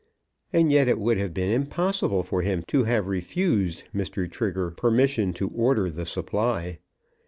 And yet it would have been impossible for him to have refused Mr. Trigger permission to order the supply.